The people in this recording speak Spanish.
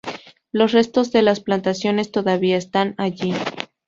Los restos de las plantaciones todavía están allí.